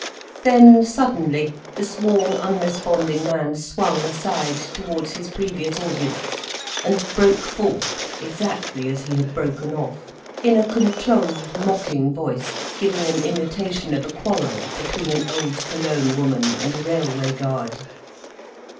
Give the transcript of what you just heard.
Then, suddenly, the small, unresponding man swung aside, towards his previous audience and broke forth, exactly as he had broken off; in a controlled, mocking voice, giving an imitation of a quarrel between an old Cologne woman and a railway guard.